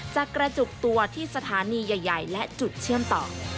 จะกระจุกตัวที่สถานีใหญ่และจุดเชื่อมต่อ